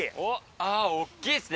あー、大きいっすね。